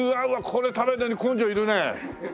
これ食べるのに根性いるね。